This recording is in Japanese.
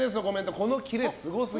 このキレ、すごすぎ。